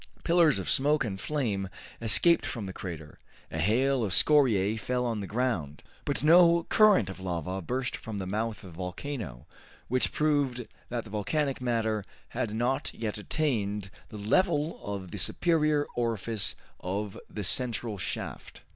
Pillars of smoke and flame escaped from the crater; a hail of scoriae fell on the ground; but no current of lava burst from the mouth of the volcano, which proved that the volcanic matter had not yet attained the level of the superior orifice of the central shaft.